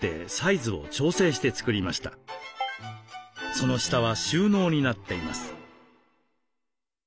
その下は収納になっています。